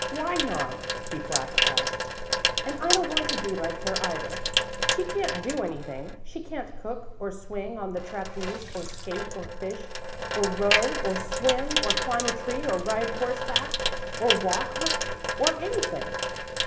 "Why not?" he flashed back. "And I don't want to be like her, either. She can't do anything. She can't cook, or swing on the trapeze, or skate, or fish, or row, or swim, or climb a tree, or ride horseback, or walk, or anything."